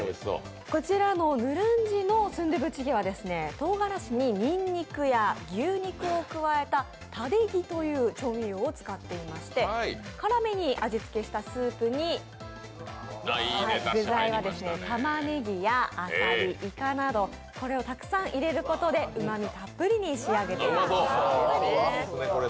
こちらのヌルンジのスンドゥブチゲはとうがらしににんにくや牛肉を加えたタデギという調味料を使っていまして辛めに味付けしたスープに具材は、たまねぎや、あさり、いかなど、これをたくさん入れることでうまみたっぷりに仕上げています。